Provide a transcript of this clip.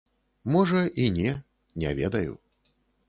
Можа, і не, не ведаю.